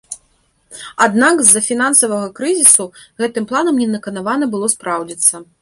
Аднак з-за фінансавага крызісу гэтым планам не наканавана было спраўдзіцца.